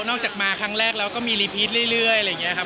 ออกมาครั้งแรกแล้วก็มีรีพีชเรื่อยอะไรอย่างนี้ครับ